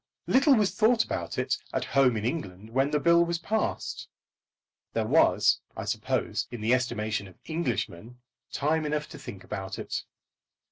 Little was thought about it at home in England when the bill was passed. There was, I suppose, in the estimation of Englishmen, time enough to think about it.